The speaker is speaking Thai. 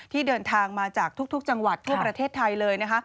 เดินทางมาจากทุกจังหวัดทั่วประเทศไทยเลยนะคะ